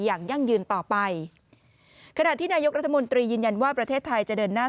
อย่างยั่งยืนต่อไป